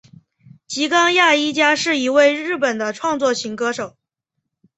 吉冈亚衣加是一位日本的创作型歌手。